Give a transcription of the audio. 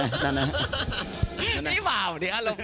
พี่เบ่านี่อารมณ์ดี